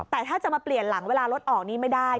แต่ถ้าจะมาเปลี่ยนหลังเวลารถออกนี่ไม่ได้